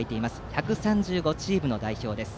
１３５チームの代表です。